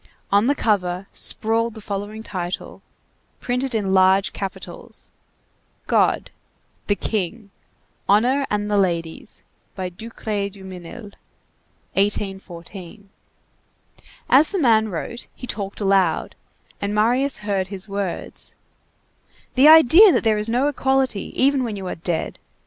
On the cover sprawled the following title, printed in large capitals: GOD; THE KING; HONOR AND THE LADIES; by DUCRAY DUMINIL, 1814. As the man wrote, he talked aloud, and Marius heard his words:— "The idea that there is no equality, even when you are dead!